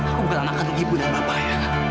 aku bukan anak atau ibu dan bapak ya